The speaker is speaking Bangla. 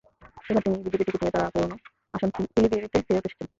এবার তিনি বিজেপির টিকিট নিয়ে তাঁর পুরোনো আসন পিলিভিতে ফেরত এসেছেন।